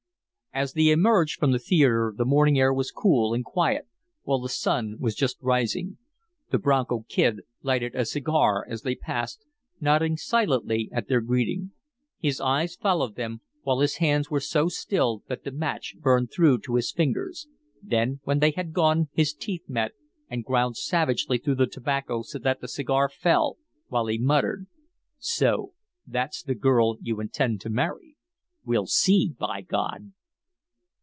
As they emerged from the theatre the morning air was cool and quiet, while the sun was just rising. The Bronco Kid lighted a cigar as they passed, nodding silently at their greeting. His eyes followed them, while his hands were so still that the match burned through to his fingers then when they had gone his teeth met and ground savagely through the tobacco so that the cigar fell, while he muttered: "So that's the girl you intend to marry? We'll see, by God!"